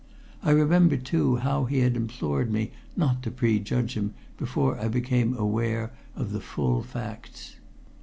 I remembered, too, how he had implored me not to prejudge him before I became aware of the full facts.